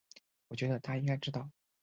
我觉得他应该知道